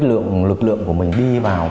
cái lượng lực lượng của mình đi vào